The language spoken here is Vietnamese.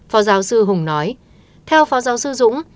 phó giáo sư hùng nói theo phó giáo sư dũng